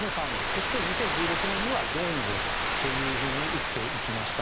そして２０１６年には４号というふうに打っていきました。